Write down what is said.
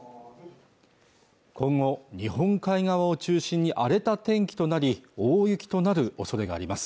今後日本海側を中心に荒れた天気となり大雪となる恐れがあります